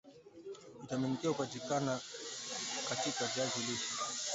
vitamini K hupatikana katika viazi lishe